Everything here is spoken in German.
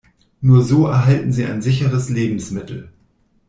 Nur so erhalten Sie ein sicheres Lebensmittel.